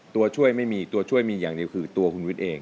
ตัวช่วยไม่มีตัวช่วยมีอย่างเดียวคือตัวคุณวิทย์เอง